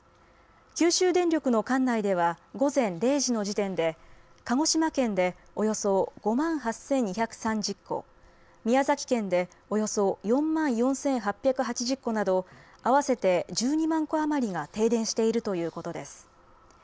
九州電力の管内では午前０時の時点で鹿児島県でおよそ５万８２３０戸宮崎県でおよそ４万４８８０戸など合わせて１２万戸余りが停電しているということです。